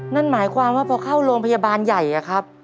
นั่นหมายความว่าพอเข้าโรงพยาบาลใหญ่อะครับ